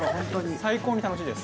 最高に楽しいです。